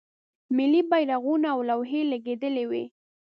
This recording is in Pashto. ملی بیرغونه او لوحې لګیدلې وې.